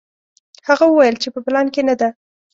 هغه وویل چې په پلان کې نه ده.